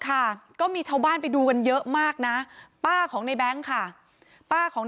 ค่ะก็มีชาวบ้านไปดูกันเยอะมากนะป้าของในแบงค์ค่ะป้าของ